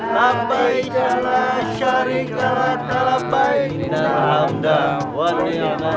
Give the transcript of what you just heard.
ya saya tak peduli